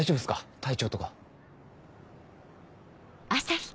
体調とか。